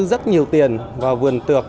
rất nhiều tiền vào vườn tược